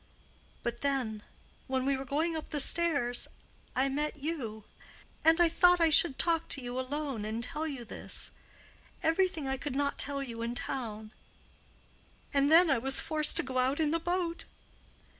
But then, when we were going up the stairs, I met you; and I thought I should talk to you alone and tell you this—everything I could not tell you in town; and then I was forced to go out in the boat."